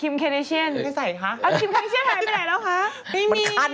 คิมแคเดชียนไม่ใส่คร้าบ